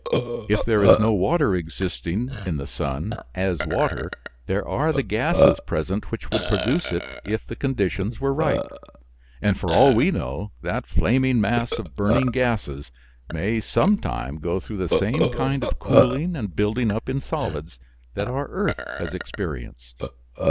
If there is no water existing, in the sun, as water, there are the gases present which would produce it if the conditions were right. And, for all we know, that flaming mass of burning gases may some time go through the same kind of cooling and building up in solids that our earth has experienced.